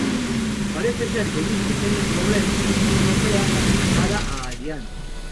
Parece ser que din que teñen problemas coa Unión Europea para sacala a adiante.